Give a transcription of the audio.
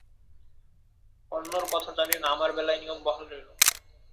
অন্যের কথা জানি না, আমার বেলায় নিয়ম বহাল রইল।